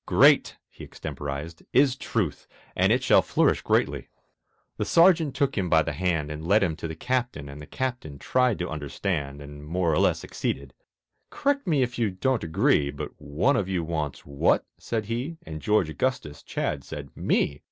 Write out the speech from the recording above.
Great," he extemporized, "is Truth, And it shall flourish greatly." The Sergeant took him by the hand And led him to the Captain, and The Captain tried to understand, And (more or less) succeeded; "Correct me if you don't agree, But one of you wants what?" said he, And George Augustus Chadd said, "Me!"